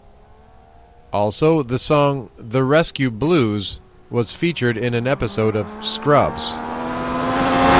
Also, the song "The Rescue Blues" was featured in an episode of "Scrubs".